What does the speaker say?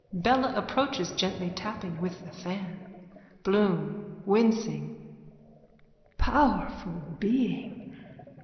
(Bella approaches, gently tapping with the fan.) BLOOM: (Wincing.) Powerful being.